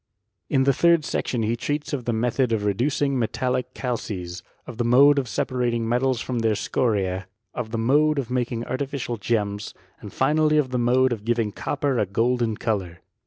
In the third section he treats of the method of rCt ducing metallic calces, of the mode of separating m»* tals from their scoriee, of the mode of making artificial gems, and finally of the mode of giving copper % golden colour.